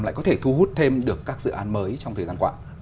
lại có thể thu hút thêm được các dự án mới trong thời gian qua